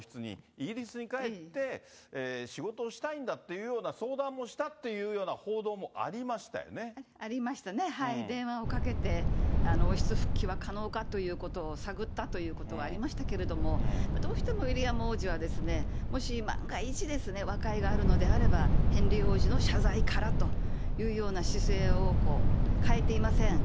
イギリスに帰って、仕事をしたいんだっていうような相談もしたっていうような報道もありましたね、電話をかけて、王室復帰は可能かということを探ったということはありましたけれども、どうしてもウィリアム王子は、もし、万が一ですね、和解があるのであれば、ヘンリー王子の謝罪からというような姿勢を変えていません。